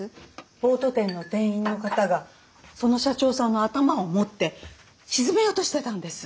ボート店の店員の方がその社長さんの頭を持って沈めようとしてたんです。